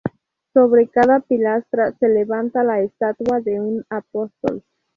Sobre cada pilastra se levanta la estatua de un apóstol.